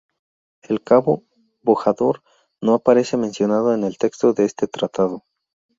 El cabo Bojador no aparece mencionado en el texto de este tratado.